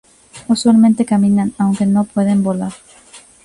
Usualmente caminan aunque no pueden volar.